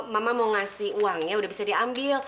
mama mau ngasih uangnya udah bisa diambil